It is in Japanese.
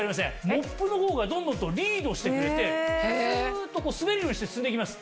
モップの方がどんどんリードしてくれてスっと滑るようにして進んでいきます。